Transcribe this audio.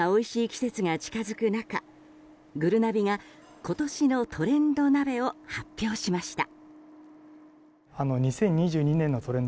季節が近づく中ぐるなびが今年のトレンド鍋を発表しました。